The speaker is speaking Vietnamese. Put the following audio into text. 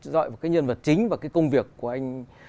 dọi vào cái nhân vật chính và cái công việc của anh